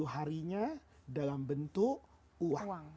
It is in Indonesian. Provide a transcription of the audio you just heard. sepuluh harinya dalam bentuk uang